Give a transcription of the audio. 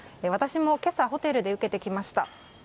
私も今朝ホテルで受けてきました。